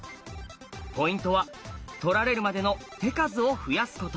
ポイントは取られるまでの手数を増やすこと。